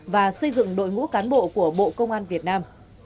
và xây dựng đội ngũ cán bộ của bộ công an việt nam